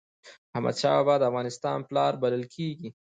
احمد شاه بابا د افغانستان پلار بلل کېږي.